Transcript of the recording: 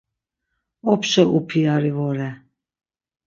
Opşa upiyari vore.